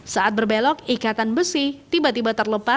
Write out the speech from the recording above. saat berbelok ikatan besi tiba tiba terlepas